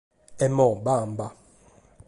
Emmo, bamba.